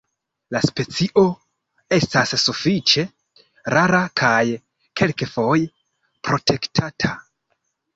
La specio estas sufiĉe rara kaj kelkfoje protektata.